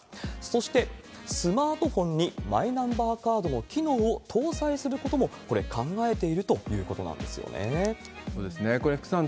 そして、スマートフォンにマイナンバーカードの機能を搭載することも、これ、考えているということなんですよね。